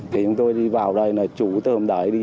thì chúng tôi đi vào đây là chủ từ hôm đấy đi